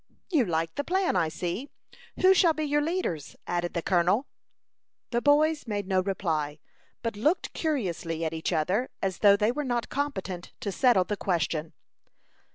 "You like the plan, I see. Who shall be your leaders?" added the colonel. The boys made no reply, but looked curiously at each other, as though they were not competent, to settle the question.